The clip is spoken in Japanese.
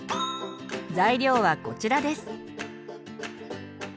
材料はこちらです。